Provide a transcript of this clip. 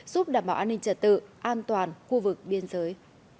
giúp đảm bảo an ninh trật tự an toàn khu vực biên giới